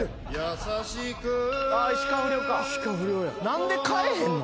何でかえへんの？